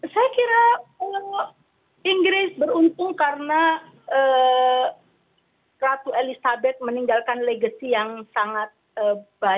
saya kira kalau inggris beruntung karena ratu elizabeth meninggalkan legasi yang sangat baik ya